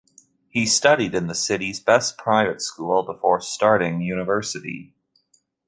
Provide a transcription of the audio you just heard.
He studied in the city's best private school before starting university.